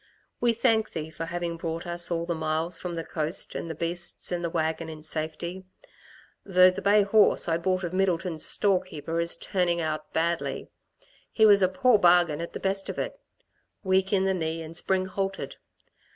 We thank Thee for having brought us all the miles from the coast, and the beasts and the wagon, in safety though the bay horse I bought of Middleton's storekeeper is turning out badly. He was a poor bargain at the best of it weak in the knee and spring halted.